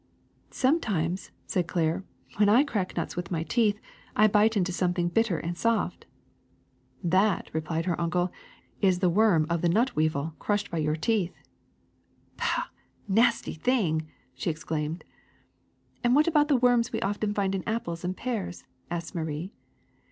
^^ Sometimes," said Claire, ^'when I crack nuts with my teeth, I bite into something bitter and soft." n^ THE SECRET OF EVERYDAY THINGS Tliat,'^ returned her uncle, "is the worm of the nut weevil, crushed by your teeth.'' *^ Pah ! The nasty thing !'' she exclaimed. *^And what about the worms we often find in ap ples and pears ?'' asked Marie.